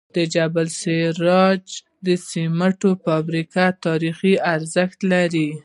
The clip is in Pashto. د جبل السراج د سمنټو فابریکه تاریخي ارزښت لري.